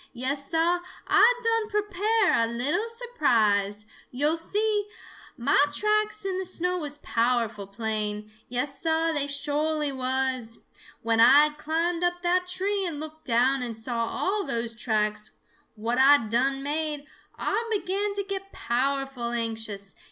Yes, Sah, Ah done prepare a little surprise. Yo' see, mah tracks in the snow was powerful plain. Yes, Sah, they sho'ly was! When Ah had climbed up that tree and looked down and saw all those tracks what Ah done made, Ah began to get powerful anxious.